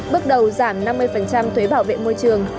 bước đầu giảm năm mươi thuế bảo vệ môi trường